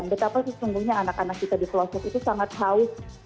betapa sesungguhnya anak anak kita di pelosok itu sangat haus